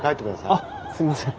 あっすいません。